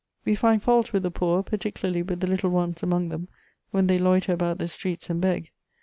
"We find fault with the poor, particularly with the little ones among them, when they loiter about the streets and beg.